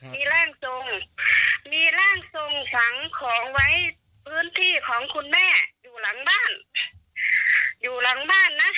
มีร่างทรงมีร่างทรงฝังของไว้พื้นที่ของคุณแม่อยู่หลังบ้านอยู่หลังบ้านนะ